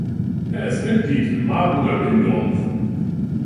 Er ist Mitglied im Marburger Wingolf.